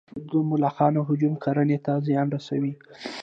د ملخانو هجوم کرنې ته زیان رسوي